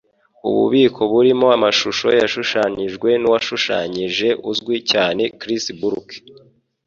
Ububiko burimo amashusho yashushanijwe nuwashushanyije uzwi cyane Chris Burke.